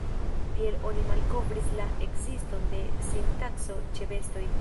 Tiel oni malkovris la ekziston de sintakso ĉe bestoj.